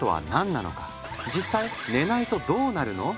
実際寝ないとどうなるの？